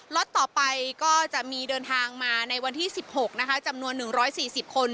ล็อตต่อไปก็จะมีเดินทางมาในวันที่๑๖นะคะจำนวน๑๔๐คน